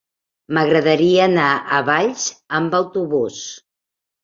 M'agradaria anar a Valls amb autobús.